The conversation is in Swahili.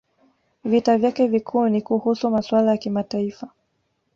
Vita vyake vikuu ni kuhusu masuala ya kimataifa